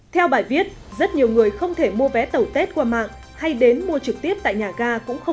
theo bài viết rất nhiều người không thể mua vé tàu tết qua mạng hay đến mua trực tiếp tại nhà ga cũng không